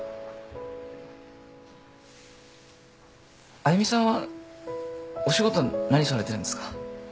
あゆみさんはお仕事何されてるんですか？